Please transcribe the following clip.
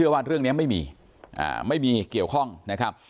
ว่าเรื่องนี้ไม่มีไม่มีเกี่ยวข้องนะครับ